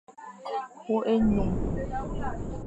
Wôkh ényum.